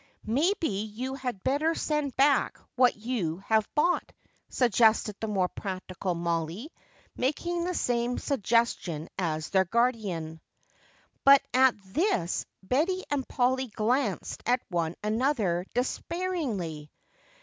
"Maybe you had better send back what you have bought," suggested the more practical Mollie, making the same suggestion as their guardian. But at this Betty and Polly glanced at one another despairingly.